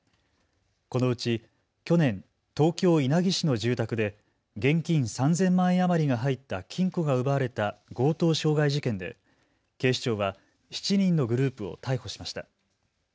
このうち去年、東京稲城市の住宅で現金３０００万円余りが入った金庫が奪われた強盗傷害事件で警視庁は７人のグループを逮捕しました。